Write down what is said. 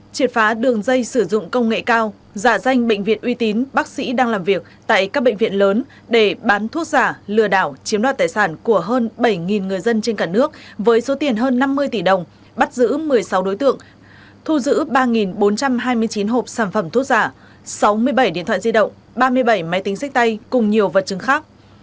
chuyển phá đường dây sử dụng công nghệ cao giả danh bệnh viện uy tín bác sĩ đang làm việc tại các bệnh viện lớn để bán thuốc giả lừa đảo chiếm đoạt tài sản của hơn bảy người dân trên cả nước với số tiền hơn năm mươi tỷ đồng bắt giữ một mươi sáu đối tượng thu giữ ba bốn trăm hai mươi chín hộp sản phẩm thuốc giả sáu mươi bảy điện thoại di động ba mươi bảy máy tính xách tay cùng nhiều vật chứng khác